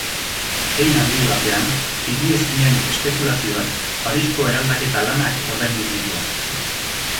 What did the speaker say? Hein handi batean, higiezinen espekulazioak Parisko eraldaketa lanak ordaindu zituen.